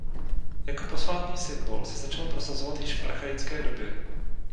Jako posvátný symbol se začal prosazovat již v Archaické době.